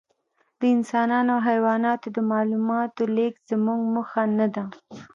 د انسانانو او حیواناتو د معلوماتو لېږد زموږ موخه نهده.